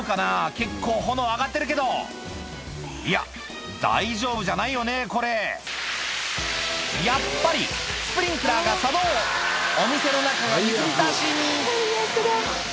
結構炎上がってるけどいや大丈夫じゃないよねこれやっぱりスプリンクラーが作動お店の中が水浸しに最悪だ。